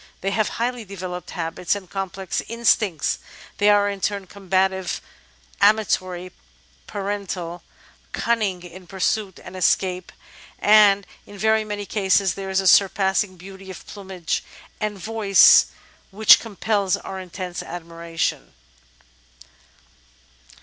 They have highly developed habits and complex instincts: they are in turn com bative, amatory, parental, cunning in pursuit and escape, and in very many cases there is a surpassing beauty of plumage and voice which compels our intense admiration.